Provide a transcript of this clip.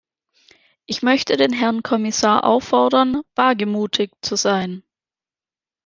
Ich möchte den Herrn Kommissar auffordern, wagemutig zu sein.